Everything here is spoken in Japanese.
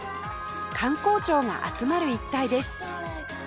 官公庁が集まる一帯です